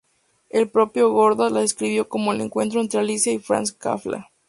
El propio Godard la describió como "el encuentro entre Alicia y Franz Kafka".